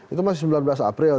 itu masih sembilan belas april